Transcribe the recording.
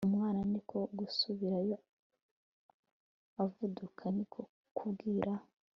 Umwana niko gusubirayo avuduka niko kubwira